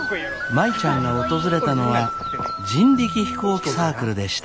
舞ちゃんが訪れたのは人力飛行機サークルでした。